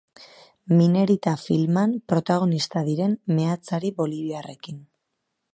Minerita filman protagonista diren meatzari boliviarrekin.